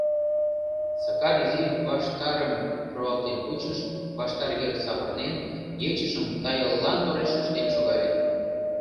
Сакар изи ваштарым руалтен кучыш, ваштар йыр савырнен, ечыжым тайыллан тореш ыштен шогале.